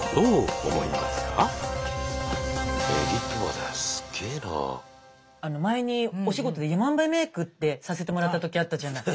皆さんは前にお仕事でヤマンバメークってさせてもらった時あったじゃない？